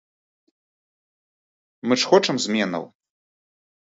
Мы ж хочам зменаў?